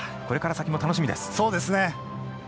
これから先も楽しみです。